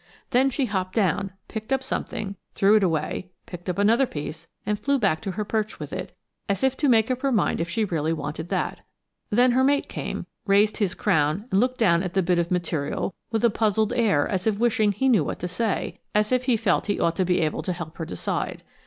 Then she hopped down, picked up something, threw it away, picked up another piece and flew back to her perch with it, as if to make up her mind if she really wanted that. Then her mate came, raised his crown and looked down at the bit of material with a puzzled air as if wishing he knew what to say; as if he felt he ought to be able to help her decide.